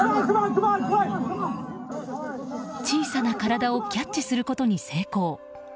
小さな体をキャッチすることに成功。